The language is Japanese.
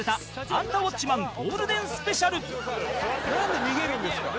なんで逃げるんですか？